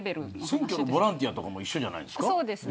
選挙のボランティアとかも一緒じゃないですか。